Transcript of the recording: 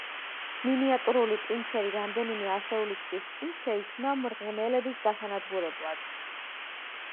მინიატურული პინჩერი რამდენიმე ასეული წლის წინ შეიქმნა მღრღნელების გასანადგურებლად.